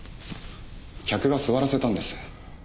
客が座らせたんです。